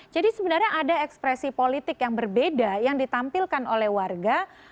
jadi sebenarnya ada ekspresi politik yang berbeda yang ditampilkan oleh warga